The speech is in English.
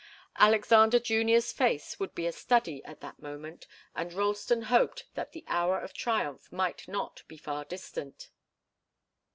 Alexander Junior's face would be a study at that moment, and Ralston hoped that the hour of triumph might not be far distant.